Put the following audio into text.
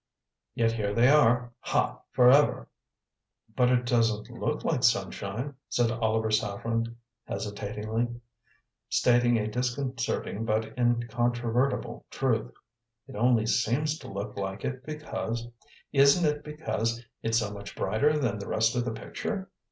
Yet here they are ha! forever!" "But it doesn't look like sunshine," said Oliver Saffren hesitatingly, stating a disconcerting but incontrovertible truth; "it only seems to look like it because isn't it because it's so much brighter than the rest of the picture?